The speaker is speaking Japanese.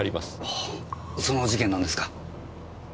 はぁその事件なんですか？